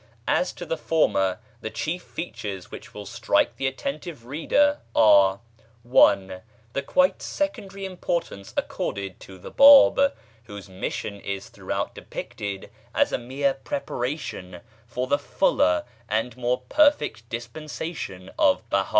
As to the former, the chief features which will strike the attentive reader are: (1) The quite secondary importance accorded to the Báb, whose mission is throughout depicted as a mere preparation for the fuller and more perfect dispensation of Behá.